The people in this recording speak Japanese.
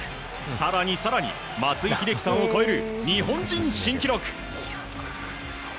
更に更に、松井秀喜さんを超える日本人新記録。